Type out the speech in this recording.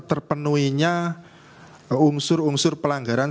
terpenuhinya unsur unsur pelanggaran